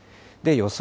予想